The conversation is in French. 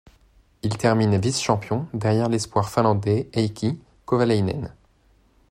Il termine vice-champion derrière l'espoir finlandais Heikki Kovalainen.